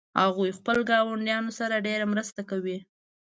هغوی خپل ګاونډیانو سره ډیره مرسته کوي